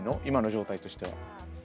今の状態としては。